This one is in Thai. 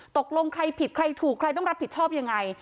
ตกลงใครผิดใครถูกใครต้องรับผิดชอบยังไง